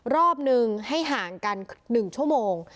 รอบนึงให้ห่างกัน๑ชั่วโมง